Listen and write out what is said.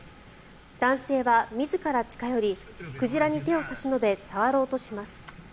男性は自ら近寄り鯨に手を差し伸べ触ろうとします。